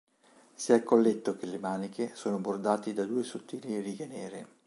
Sia il colletto che le maniche, sono bordati da due sottili righe nere.